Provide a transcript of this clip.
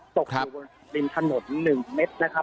ตกอยู่บนริมถนน๑เมตรนะครับ